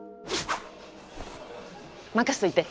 任せといて。